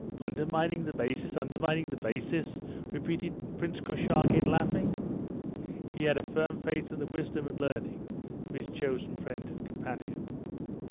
"Undermining the basis undermining the basis," repeated Prince Korchagin, laughing. He had a firm faith in the wisdom and learning of his chosen friend and companion.